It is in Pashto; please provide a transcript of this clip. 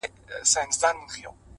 د تورو زلفو په هر تار راته خبري کوه ـ